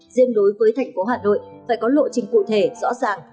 riêng đối với thành phố hà nội phải có lộ trình cụ thể rõ ràng